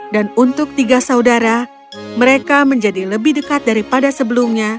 dan untuk tiga saudara mereka menjadi lebih dekat daripada sebelumnya